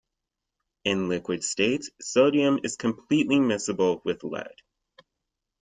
In liquid state, sodium is completely miscible with lead.